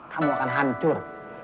kamu akan hancur